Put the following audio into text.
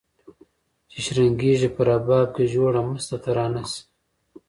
چي شرنګیږي په رباب کي جوړه مسته ترانه سي